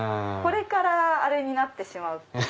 これからあれになってしまう。